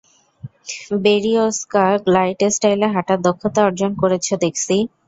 বেরিয়োযকা glide স্টাইলে হাঁটার দক্ষতা অর্জন করেছ দেখছি।